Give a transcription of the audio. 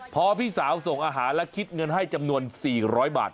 พอพี่สาวส่งอาหารและคิดเงินให้จำนวน๔๐๐บาท